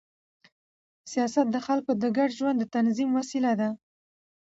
سیاست د خلکو د ګډ ژوند د تنظیم وسیله ده